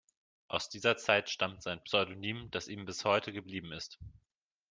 Aus dieser Zeit stammt sein Pseudonym, das ihm bis heute geblieben ist.